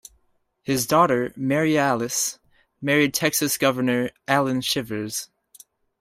His daughter, Marialice, married Texas Governor Allan Shivers.